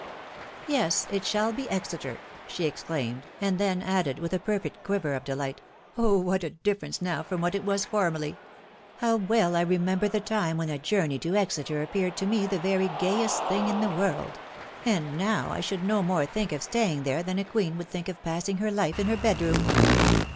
" Yes .... it shall be Exeter !" she exclaimed, and then added, with a perfect quiver of delight, " Oh ! what a differ ence now from what it was formerly .... How well I remem ber the time when a journey to Exeter appeared to me the very gayest thing in the world !.••• and now I should no more think of staying there than a queen would think of passing her life in her bedroom